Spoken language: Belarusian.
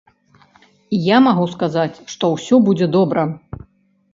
Я магу сказаць, што ўсё будзе добра.